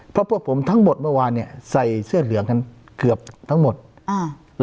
เพราะพวกผมทั้งหมดเมื่อวานเนี้ยใส่เสื้อเหลืองกันเกือบทั้งหมดอ่า